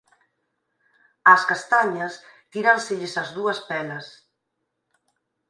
Ás castañas tíranselles as dúas pelas.